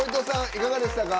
いかがでしたか？